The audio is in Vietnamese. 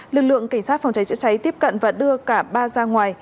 lực lượng cảnh sát phòng cháy chữa cháy tiếp cận và đưa cả ba ra ngoài